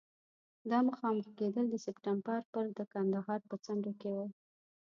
دا مخامخ کېدل د سپټمبر پر د کندهار په څنډو کې وو.